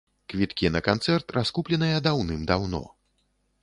Квіткі на канцэрт раскупленыя даўным даўно.